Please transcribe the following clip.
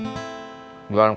jualan jualan itu susah